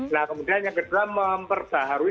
nah kemudian yang kedua memperbaharui